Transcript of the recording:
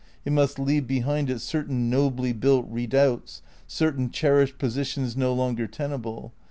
It must leave behind it certain nobly built redoubts, certain, cherished positions no longer tenable.